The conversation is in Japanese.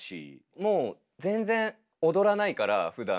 もう全然踊らないからふだん。